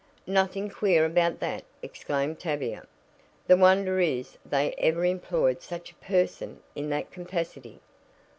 "Nothing queer about that," exclaimed Tavia. "The wonder is they ever employed such a person in that capacity.